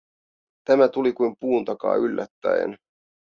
Tämä tuli kuin puun takaa yllättäen.